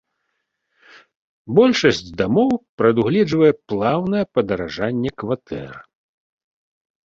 Большасць дамоў прадугледжвае плаўнае падаражанне кватэр.